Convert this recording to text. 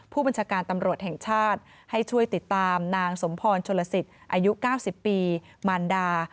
ผู้บัญชาการตำรวจแห่งชาติให้ช่วยติดตามนางสมพรชนลสิทธิ์อายุ๙๐ปีมารดา